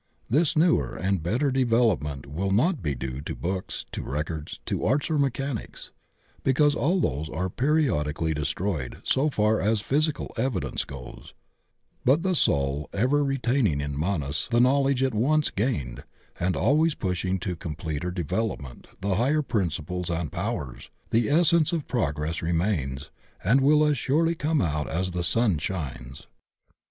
This newer and better development will not be due to books, to records, to arts or mechanics, because all those are periodically destroyed so far as physical evidence goes, but the soul ever retaining in Manas the knowledge it once gained and always pushing to completer development the higher principles and pow ers, the essence of progress remains and will as surely come out as the sun shines.